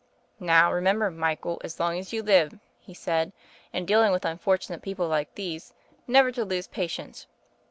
*Now, remember, Michael, as long as you live,' he said, 'in dealing with unfortunate people like these, never to lose patience.